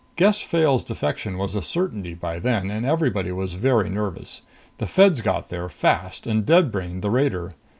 Gess Fayle's defection was a certainty by then, and everybody was very nervous. The Feds got there, fast, and dead brained the raider.